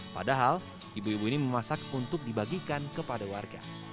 padahal ibu ibu ini memasak untuk dibagikan kepada warga